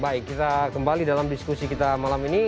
baik kita kembali dalam diskusi kita malam ini